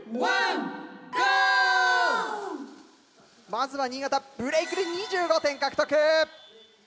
まずは新潟ブレイクで２５点獲得。